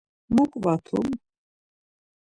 Mu ǩvatum?